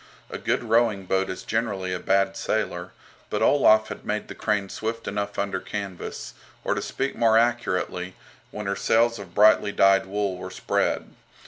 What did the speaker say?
A good rowing boat is generally a bad sailer, but Olaf had made the "Crane" swift enough under canvas, or to speak more accurately, when her sails of brightly dyed wool were spread.